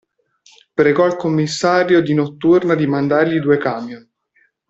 Pregò il commissario di notturna di mandargli due camion.